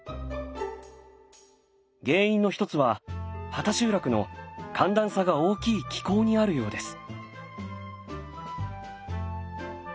原因の一つは畑集落の寒暖差が大きい気候にあるようです。